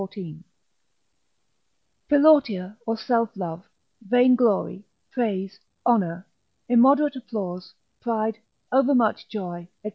—_Philautia, or Self love, Vainglory, Praise, Honour, Immoderate Applause, Pride, overmuch Joy, &c.